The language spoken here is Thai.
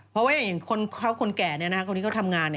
เพราะว่าอย่างคนแก่คนที่เขาทำงาน